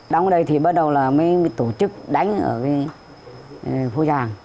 đóng ở đây thì bắt đầu là mới tổ chức đánh ở phố giảng